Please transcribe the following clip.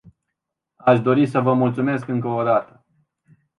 Aș dori să vă mulțumesc încă o dată.